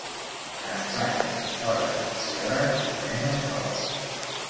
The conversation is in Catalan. Es passa hores i hores prenent el sol.